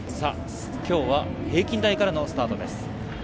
今日は平均台からのスタートです。